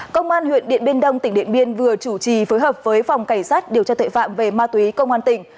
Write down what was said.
công an huyện điện biên đông tỉnh điện biên vừa chủ trì phối hợp với phòng cảnh sát điều tra tuệ phạm về ma túy công an tỉnh